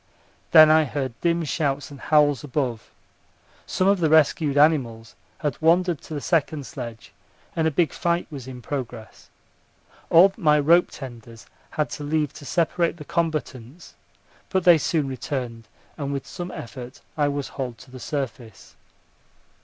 Then I heard dim shouts and howls above. Some of the rescued animals had wandered to the second sledge, and a big fight was in progress. All my rope tenders had to leave to separate the combatants; but they soon returned, and with some effort I was hauled to the surface.